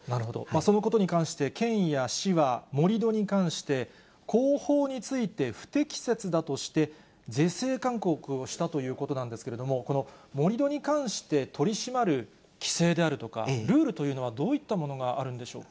そのことに関して、県や市は、盛り土に関して、工法について不適切だとして、是正勧告をしたということなんですけれども、この盛り土に関して、取り締まる規制であるとか、ルールというのはどういったものがあるんでしょうか。